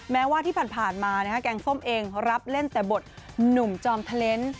แม้ว่าที่ผ่านมาแกงส้มเองรับเล่นแต่บทหนุ่มจอมเทอร์เลนส์